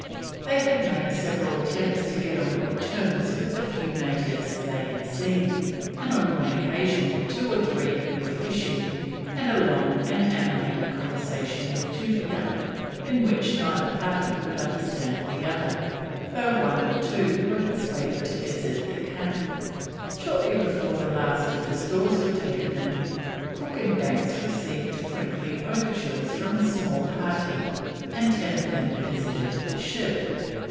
They had made several attempts to get on good terms with the few natives they had seen, and on one occasion two or three who were fishing had a long and animated conversation with Tupia, in which neither party could understand the other, though one or two were persuaded to visit the camp. Shortly before the last of the stores were taken in, Cook and Banks received friendly overtures from a small party, and ten of them visited the ship.